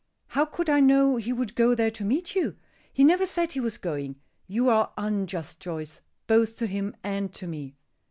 How could I know he would go there to meet you? He never said he was going. You are unjust, Joyce, both to him and to me."